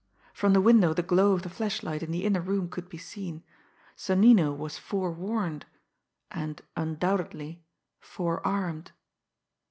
From the window the glow of the flashlight in the inner room could be seen. Sonnino was forewarned, and undoubtedly forearmed!